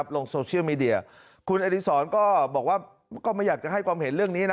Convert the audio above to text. ลงโซเชียลมีเดียคุณอดีศรก็บอกว่าก็ไม่อยากจะให้ความเห็นเรื่องนี้นะ